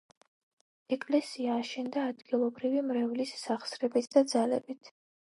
ეკლესია აშენდა ადგილობრივი მრევლის სახსრებით და ძალებით.